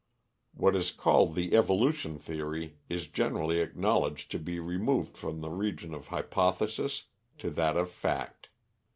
What is called the "evolution theory" is generally acknowledged to be removed from the region of hypothesis to that of fact.